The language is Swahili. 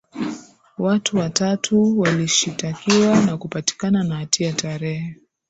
Watu watatu walishitakiwa na kupatikana na hatia tarehe